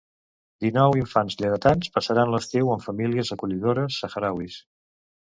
Dinou infants lleidatans passaran l'estiu amb famílies acollidores sahrauís.